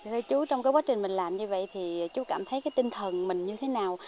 thưa chú trong cái quá trình mình làm như vậy thì chú cảm thấy cái tinh thần mình như thế nào